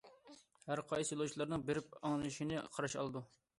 ھەرقايسى يولۇچىلارنىڭ بېرىپ ئاڭلىشىنى قارشى ئالىدۇ.